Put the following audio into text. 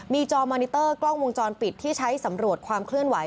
มีจอมอนิเตอร์กล้องวงจรปิดที่ใช้สำรวจความเคลื่อนไหว